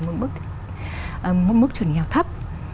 mức chuẩn nghèo thấp